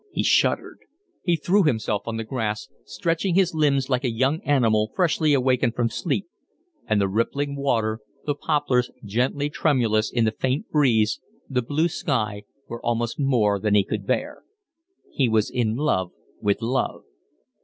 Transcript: He shuddered. He threw himself on the grass, stretching his limbs like a young animal freshly awaked from sleep; and the rippling water, the poplars gently tremulous in the faint breeze, the blue sky, were almost more than he could bear. He was in love with love.